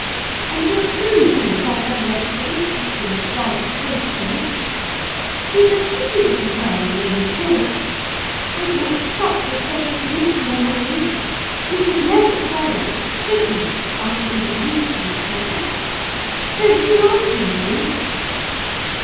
And he'll soon do as I direct him, with some slight coaxing. He's a pretty little darling when he's good. I'd make such a pet of him, if he were mine. We should never quarrel, should we, after we were used to each other? Don't you like him, Ellen?"